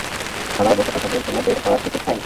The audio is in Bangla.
সবাই বসে কথা বলছিল, বের হবার সুযোগ পাইনি।